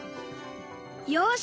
よし！